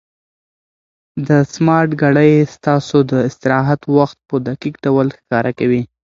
دا سمارټ ګړۍ ستاسو د استراحت وخت په دقیق ډول ښکاره کوي.